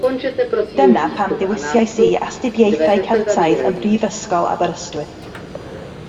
Dyna pam dewisais i Astudiaethau Celtaidd ym mhrifysgol Aberystwyth